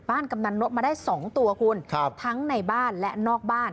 บ้านกำนักนกมาได้๒ตัวคุณทั้งในบ้านและนอกบ้าน